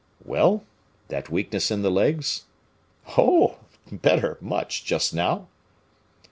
"Well! that weakness in the legs?" "Oh! better, much, just now."